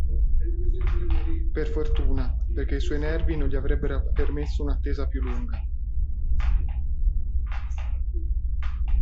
Per fortuna, perché i suoi nervi non gli avrebbero permesso un'attesa più lunga.